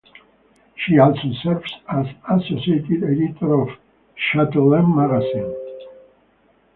She also serves as associate editor of "Chatelaine magazine".